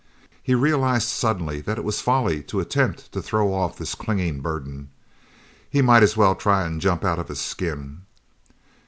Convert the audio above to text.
He realized suddenly that it was folly to attempt to throw off this clinging burden. He might as well try to jump out of his skin.